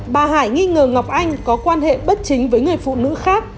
bà hải nghi ngờ ngọc anh có quan hệ bất chính với người phụ nữ khác